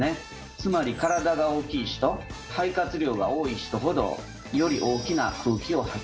つまり体が大きい人肺活量が多い人ほどより大きな空気を吐き出せるんですね。